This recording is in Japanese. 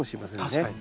確かに。